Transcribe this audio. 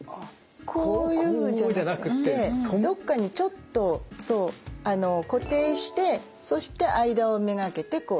こういうんじゃなくってどっかにちょっと固定してそして間を目がけてこうやって入れていく。